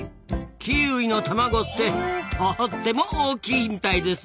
キーウィの卵ってとっても大きいみたいですぞ。